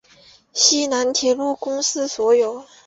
西南铁路公司所有。